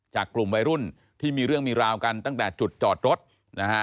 กลุ่มวัยรุ่นที่มีเรื่องมีราวกันตั้งแต่จุดจอดรถนะฮะ